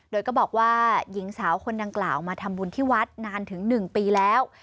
โดยก็บอกว่าหญิงสาวคนดังกล่าวมาทำบุญที่วัดนานถึง๑ปีแล้ว